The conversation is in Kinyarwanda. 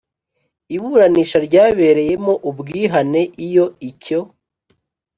Iburanisha ryabereyemo ubwihane iyo icyo